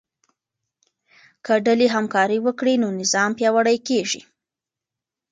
که ډلې همکاري وکړي نو نظام پیاوړی کیږي.